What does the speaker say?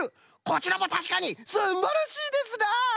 こちらもたしかにすんばらしいですな！